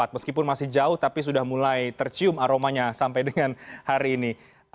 meskipun masih jauh tapi sudah mulai tercium aromanya sampai dengan hari ini